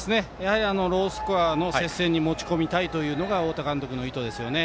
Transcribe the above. ロースコアの接戦に持ち込みたいというのが太田監督の意図ですよね。